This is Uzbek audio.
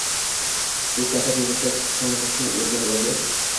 U katta tezlikda sho‘ng‘ishni o‘rganib olgach